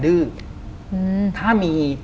คุณลุงกับคุณป้าสองคนนี้เป็นใคร